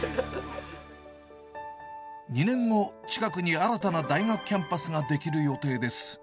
２年後、近くに新たな大学キャンパスが出来る予定です。